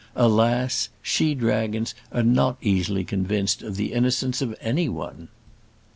Alas! she dragons are not easily convinced of the innocence of any one.